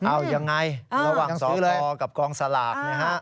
เอายังไงระหว่างสกกับกองสลากนะฮะ